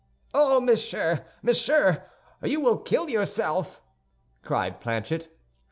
"Oh, monsieur! Monsieur! You will kill yourself," cried Planchet.